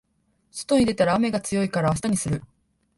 外に出たら雨が強いから明日にする